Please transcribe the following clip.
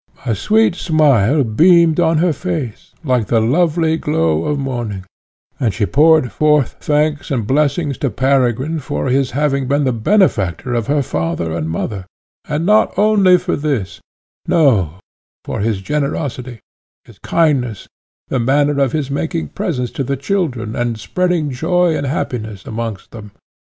A sweet smile beamed on her face, like the lovely glow of morning, and she poured forth thanks and blessings to Peregrine for his having been the benefactor of her father and mother, and not only for this, no for his generosity, his kindness, the manner of his making presents to the children, and spreading joy and happiness amongst them.